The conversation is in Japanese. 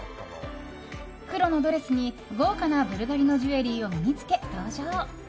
黒のドレスに豪華なブルガリのジュエリーを身に着け登場。